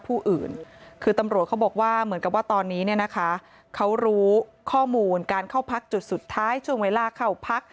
ผู้อื่นคือตำรวจเขาบอกว่าเหมือนกับว่าตอนนี้เนี่ยนะคะเขารู้ข้อมูลการเข้าพักจุดสุดท้ายช่วงเวลาเข้าพัก